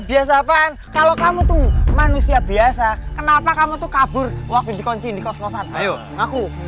biasa kan kalau kamu tuh manusia biasa kenapa kamu tuh kabur waktu dikunci di kos kosan ayo ngaku